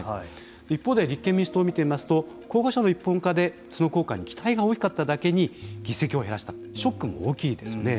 一方で立憲民主党を見てみますと候補者の一本化でその効果に期待が大きかっただけに議席を減らしたショックも大きいですよね。